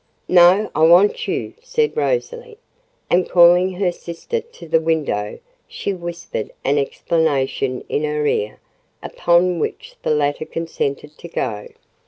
"No, I want you," said Rosalie; and calling her sister to the window, she whispered an explanation in her ear; upon which the latter consented to go.